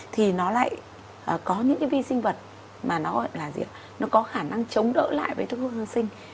thì nó lại có những cái vi sinh vật mà nó có khả năng chống đỡ lại với thuốc kháng sinh